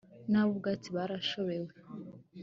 n’ab’ubwatsi barashobewe